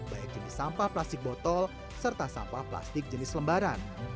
baik jenis sampah plastik botol serta sampah plastik jenis lembaran